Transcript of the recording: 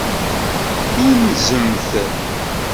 Tunzemt.